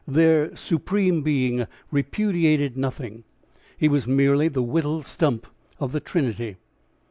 Their "Supreme Being" repudiated nothing. He was merely the whittled stump of the Trinity.